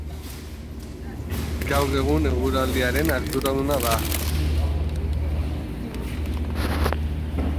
Gaur egun eguraldiaren arduraduna da.